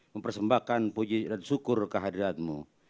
mempersembahkan puji dan syukur kehadirat mu